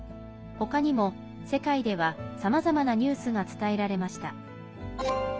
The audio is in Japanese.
他にも世界では、さまざまなニュースが伝えられました。